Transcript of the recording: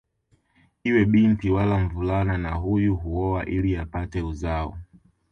Iwe binti wala mvulana na huyu huoa ili apate uzao